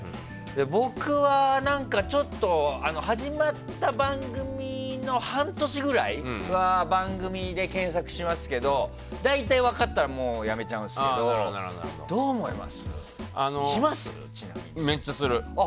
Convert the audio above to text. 僕は、始まった番組の半年ぐらいは番組で検索しますけど大体分かったらもうやめちゃうんですけどめっちゃする。